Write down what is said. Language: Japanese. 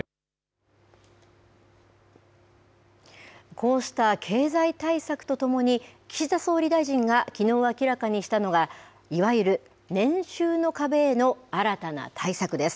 こうした経済対策とともに、岸田総理大臣がきのう明らかにしたのは、いわゆる年収の壁への新たな対策です。